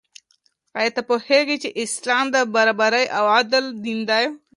آیا ته پوهېږې چې اسلام د برابرۍ او عدل دین دی؟